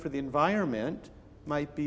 untuk alam sekitar mungkin